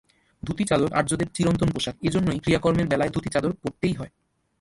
ধুতি-চাদর আর্যদের চিরন্তন পোষাক, এইজন্যই ক্রিয়াকর্মের বেলায় ধুতি-চাদর পরতেই হয়।